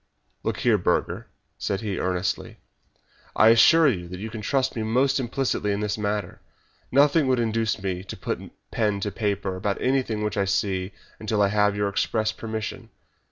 "Look here, Burger," said he, earnestly, "I assure you that you can trust me most implicitly in the matter. Nothing would induce me to put pen to paper about anything which I see until I have your express permission.